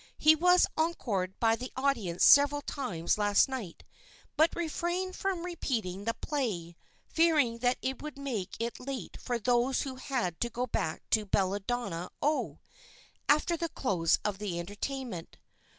He was encored by the audience several times last night, but refrained from repeating the play, fearing that it would make it late for those who had to go back to Belladonna, O., after the close of the entertainment.